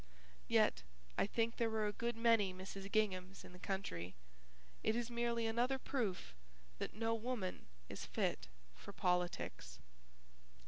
Yet I think there were a good many Mrs. Ginghams in the country. It is merely another proof that no woman is fit for politics.